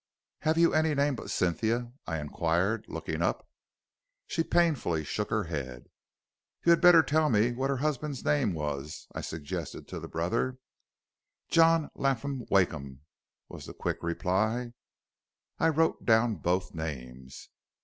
"'Have you any name but Cynthia?' I inquired, looking up. "She painfully shook her head. "'You had better tell me what her husband's name was,' I suggested to the brother. "'John Lapham Wakeham,' was the quick reply. "I wrote down both names.